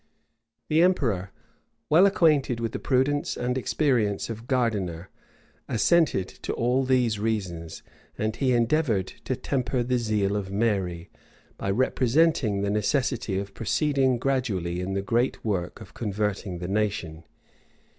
[*] The emperor, well acquainted with the prudence and experience of Gardiner, assented to all these reasons, and he endeavored to temper the zeal of Mary, by representing the necessity of proceeding gradually in the great work of converting the nation.